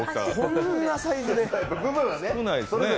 こんなサイズで。